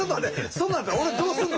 そんなんやったら俺どうすんの？